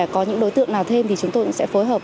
có những đối tượng nào thêm thì chúng tôi cũng sẽ phối hợp